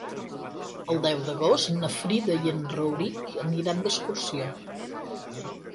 El deu d'agost na Frida i en Rauric aniran d'excursió.